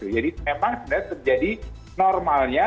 jadi memang terjadi normalnya